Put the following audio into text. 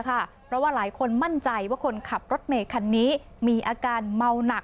เพราะว่าหลายคนมั่นใจว่าคนขับรถเมย์คันนี้มีอาการเมาหนัก